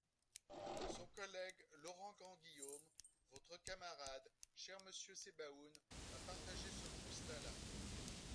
Son collègue Laurent Grandguillaume, votre camarade, cher monsieur Sebaoun, a partagé ce constat-là.